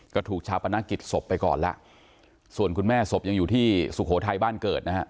ก็ถูกชาปนกิจศพไปก่อนแล้วส่วนคุณแม่ศพยังอยู่ที่สุโขทัยบ้านเกิดนะฮะ